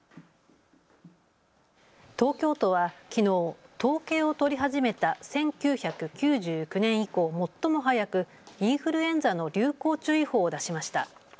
東京都はきのう統計を取り始めた１９９９年以降、最も早くインフルエンザの流行注意報を出しました。